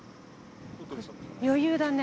余裕だね。